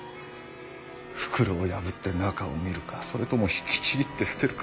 袋を破って中を見るかそれとも引きちぎって捨てるか。